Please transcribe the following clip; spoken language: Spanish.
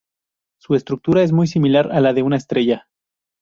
Su estructura es muy similar a la de una estrella.